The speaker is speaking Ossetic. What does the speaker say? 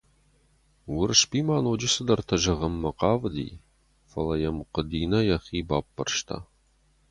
Уырысби ма ноджы цыдӕртӕ зӕгъынмӕ хъавыди, фӕлӕ йӕм Хъуыдинӕ йӕхи баппӕрста.